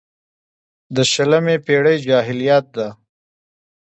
د شلمې پېړۍ جاهلیت ده.